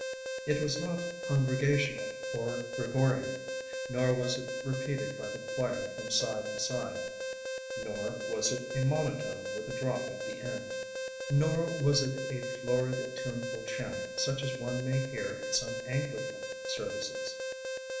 It was not congregational, or Gregorian; nor was it repeated by the choir from side to side; nor was it a monotone with a drop at the end; nor was it a florid, tuneful chant such as one may hear in some Anglican services.